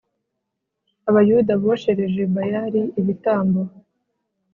Abayuda boshereje Bayali ibitambo